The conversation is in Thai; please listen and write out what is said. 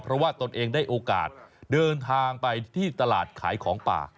เพราะว่าตนเองได้โอกาสเดินทางไปที่ตลาดขายของป่า